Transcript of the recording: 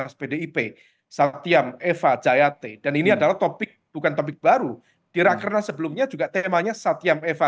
satyam eva jayate dan ini adalah topik bukan topik baru di rakernas sebelumnya juga temanya satyam eva